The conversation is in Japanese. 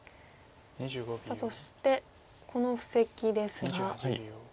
さあそしてこの布石ですが。